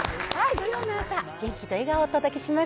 土曜の朝、元気と笑顔をお届けします。